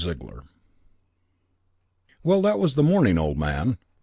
II "Well, that was the morning, old man.